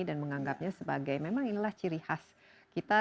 dan menganggapnya sebagai memang inilah ciri khas kita